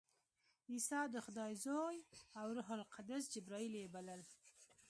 عیسی د خدای زوی او روح القدس جبراییل یې بلل.